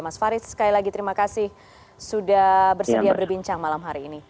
mas farid sekali lagi terima kasih sudah bersedia berbincang malam hari ini